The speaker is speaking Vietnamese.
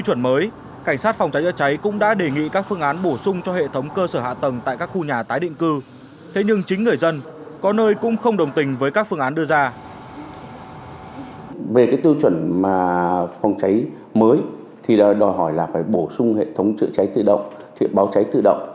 mà cảnh sát phòng cháy thành phố cấp để chở máy bơm